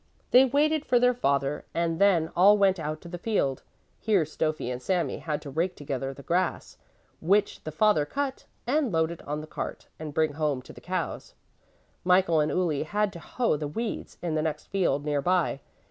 They waited for their father, and then all went out to the field. Here Stöffi and Sami had to rake together the grass, which the father cut, and load it on the cart, and bring home to the cows. Michael and Uli had to hoe the weeds in the next field near by.